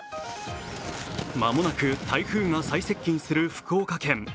まもなく台風が最接近する福岡県。